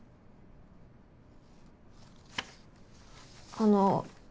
あの。